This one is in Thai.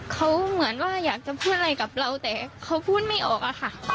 เขาเหมือนว่าอยากจะพูดอะไรกับเราแต่เขาพูดไม่ออกอะค่ะ